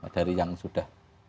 dari yang sudah